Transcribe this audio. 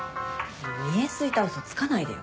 見え透いた嘘つかないでよ。